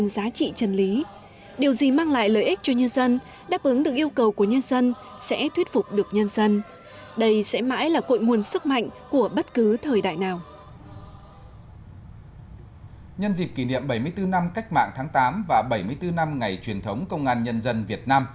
nhân dịp kỷ niệm bảy mươi bốn năm cách mạng tháng tám và bảy mươi bốn năm ngày truyền thống công an nhân dân việt nam